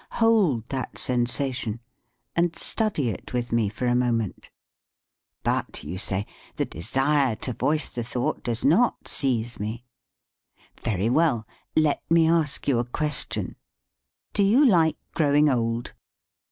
Hold that sensation, and study it with me for a moment. "But," you say, "the desire 4 LEARNING TO SUPPORT THE TONE to voice the thought does not seize me." Very well, let me ask you a question. "Do you like growing old?"